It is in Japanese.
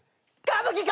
歌舞伎！